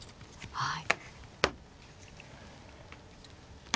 はい。